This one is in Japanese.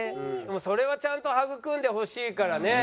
それはちゃんと育んでほしいからね。